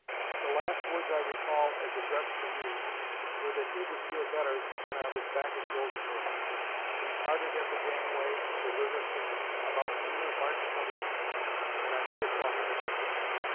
The last words I recall as addressed to me were that he would feel better when I was back at Goldsboro. We parted at the gangway of the 'River Queen,' about noon of March 28, and I never saw him again.